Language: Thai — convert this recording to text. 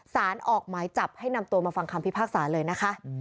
สารออกหมายจับให้นำตัวมาฟังคำพิพากษาเลยนะคะ